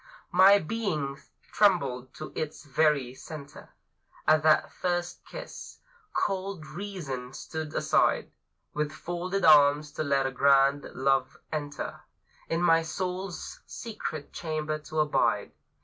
My being trembled to its very center At that first kiss. Cold Reason stood aside With folded arms to let a grand Love enter In my Soul's secret chamber to abide.